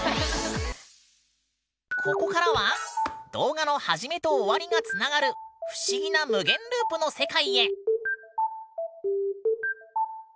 ここからは動画の初めと終わりがつながる不思議な無限ループの世界へ。